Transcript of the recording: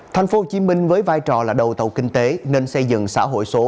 thành phố hồ chí minh với vai trò là đầu tàu kinh tế nên xây dựng xã hội số